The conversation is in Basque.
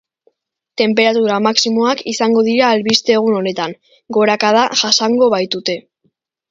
Tenperatura maximoak izango dira albiste egun honetan, gorakada jasango baitute.